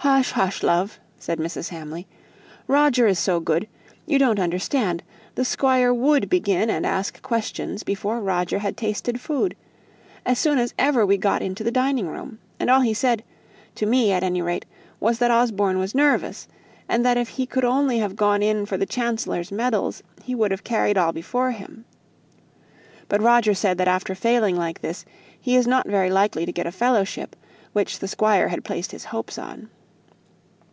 "Hush, hush, love!" said Mrs. Hamley. "Roger is so good. You don't understand. The squire would begin and ask questions before Roger had tasted food as soon as ever we had got into the dining room. And all he said to me, at any rate was that Osborne was nervous, and that if he could only have gone in for the Chancellor's medals, he would have carried all before him. But Roger said that after failing like this, he is not very likely to get a fellowship, which the Squire had placed his hopes on.